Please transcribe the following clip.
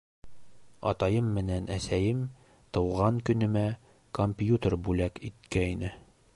Атайым менән әсәйем тыуған көнөмә компьютер бүләк иткәйне.